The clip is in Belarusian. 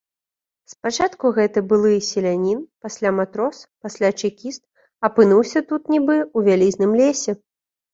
Спачатку гэты былы селянін, пасля матрос, пасля чэкіст, апынуўся тут нібы ў вялізным лесе.